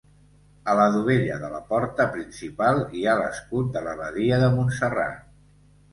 A la dovella de la porta principal hi ha l'escut de l'abadia de Montserrat.